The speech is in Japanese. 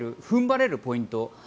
踏ん張れるポイント。